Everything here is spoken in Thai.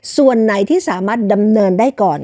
ส่วนไหนที่สามารถดำเนินได้ก่อน